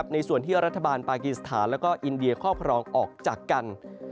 ในส่วนที่รัฐบาลปากีสถานและอินเดียครอบครองออกจากกัน